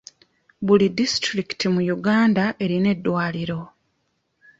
Buli disitulikiti mu Uganda erina eddwaliro.